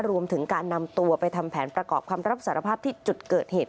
รวมถึงการนำตัวไปทำแผนประกอบคำรับสารภาพที่จุดเกิดเหตุ